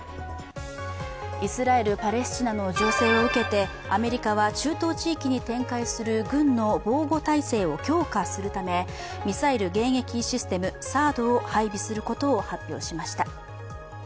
イスラエル・パレスチナの情勢を受けてアメリカは中東地域に展開する軍の防護体制を強化するためミサイル迎撃システムＴＨＡＡＤを配備することを発表しました。